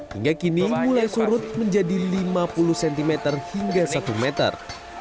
hingga kini mulai surut menjadi lima puluh cm hingga satu meter